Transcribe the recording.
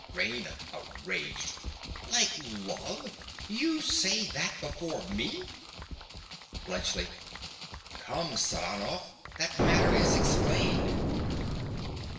RAINA. (outraged). Like love! You say that before me. BLUNTSCHLI. Come, Saranoff: that matter is explained.